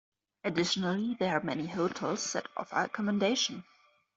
Additionally, there are many hotels that offer accommodation.